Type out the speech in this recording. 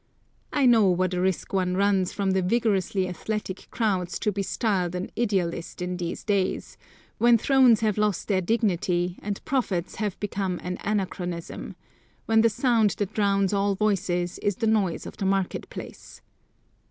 I know what a risk one runs from the vigorously athletic crowds to be styled an idealist in these days, when thrones have lost their dignity and prophets have become an anachronism, when the sound that drowns all voices is the noise of the market place.